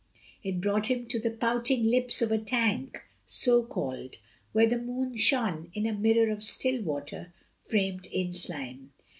It brought him to the pouting lips of a tank (so called) where the moon shone in a mirror of still water framed in slime.